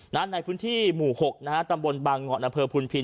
ในพื้นที่หมู่๖นะฮะตำบลบางงอนอำเภอพุนพิน